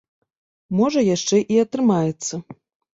Можа яшчэ і атрымаецца.